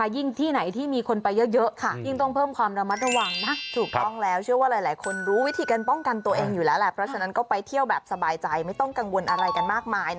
อย่าลืม